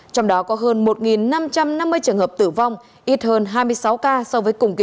trong đó có hơn một năm trăm năm mươi trường hợp tử vong ít hơn hai mươi sáu ca